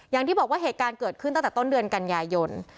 อย่างที่บอกว่าเหตุการณ์เกิดขึ้นตั้งแต่ต้นเดือนกันยายน